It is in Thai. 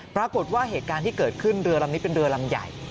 ปรากฏว่าเหตุการณ์ที่เกิดขึ้นเรือลำนี้เป็นเรือลำใหญ่